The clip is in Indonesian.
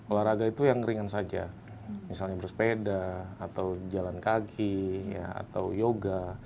olahraga itu yang ringan saja misalnya bersepeda atau jalan kaki atau yoga